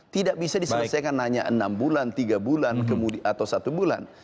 tidak bisa diselesaikan hanya enam bulan tiga bulan atau satu bulan